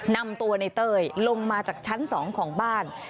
นำตัวในเต้ยลงมาจากชั้น๒ของบ้าน